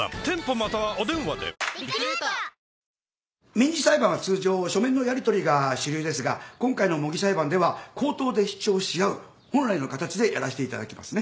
民事裁判は通常書類のやりとりが主流ですが今回の模擬裁判では口頭で主張し合う本来の形でやらしていただきますね。